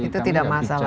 itu tidak masalah ya